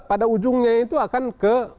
pada ujungnya itu akan ke